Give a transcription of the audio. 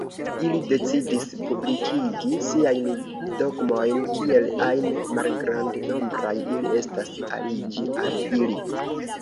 Ili decidis publikigi siajn dogmojn, kiel ajn malgrandnombraj ili estas, aliĝi al ili.